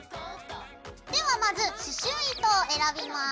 ではまず刺しゅう糸を選びます。